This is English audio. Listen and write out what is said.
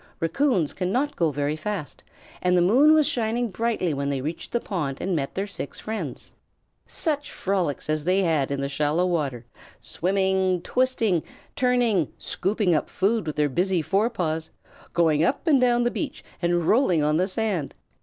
Raccoons cannot go very fast, and the moon was shining brightly when they reached the pond and met their six friends. Such frolics as they had in the shallow water, swimming, twisting, turning, scooping up food with their busy fore paws, going up and down the beach, and rolling on the sand!